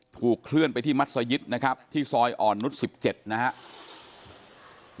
ถูกเคลื่อนไปที่มัศยิตนะครับที่ซอยอ่อนนุษย์๑๗นะครับ